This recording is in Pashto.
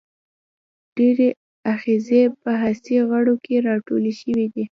ډیری آخذې په حسي غړو کې راټولې شوي دي.